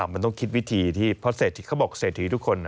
มันต้องคิดวิธีที่เพราะเขาบอกเศรษฐีทุกคน